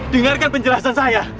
dengarkan penjelasan saya